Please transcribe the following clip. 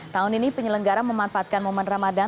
tahun ini penyelenggara memanfaatkan momen ramadan